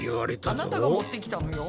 あなたが持ってきたのよ。